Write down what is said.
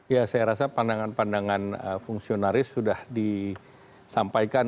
ya saya rasa pandangan pandangan fungsionaris sudah disampaikan